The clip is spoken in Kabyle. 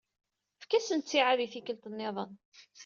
Fkan-asen ttiɛad i tikkelt-nniḍen.